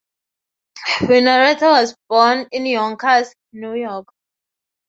Winnaretta was born in Yonkers, New York.